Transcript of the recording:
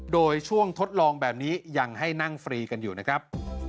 โดยช่วงทดลองแบบนี้ยังให้นั่งฟรีกันอยู่นะครับ